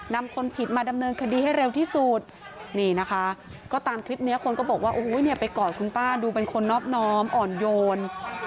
นี่นะคะก็ตามคลิปนี้คนก็บอกว่าอุ้ยไปกอดคุณป้าดูเป็นคนนอบน้อมอ่อนโยน